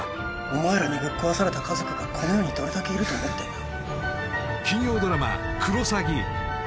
お前らにぶっ壊された家族がこの世にどれだけいると思ってんだ